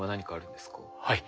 はい。